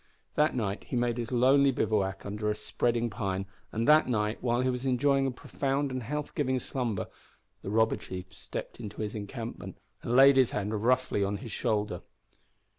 That night he made his lonely bivouac under a spreading pine, and that night while he was enjoying a profound and health giving slumber, the robber chief stepped into his encampment and laid his hand roughly on his shoulder.